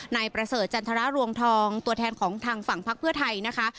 นายประเสริฐจันทรรวงทองตัวแทนของทางฝั่งพักเพื่อไทยนะคะ